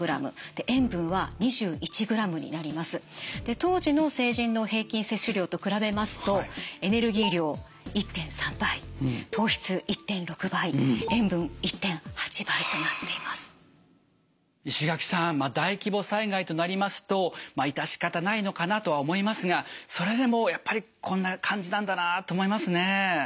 当時の成人の平均摂取量と比べますと石垣さん大規模災害となりますと致し方ないのかなとは思いますがそれでもやっぱりこんな感じなんだなと思いますね。